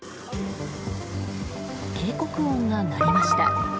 警告音が鳴りました。